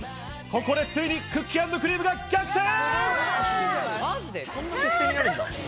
ここでついにクッキー＆クリームが逆転。